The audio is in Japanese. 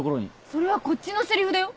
それはこっちのせりふだよ。